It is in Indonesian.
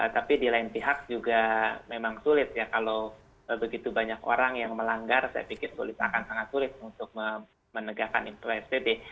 tapi di lain pihak juga memang sulit ya kalau begitu banyak orang yang melanggar saya pikir akan sangat sulit untuk menegakkan psbb